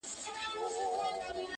پر وطن يې جوړه كړې كراري وه -